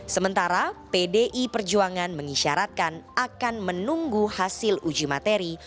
sementara pdi perjuangan mengisyaratkan akan menunggu hasil uji materi